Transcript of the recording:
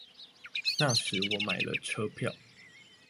那時我買了車票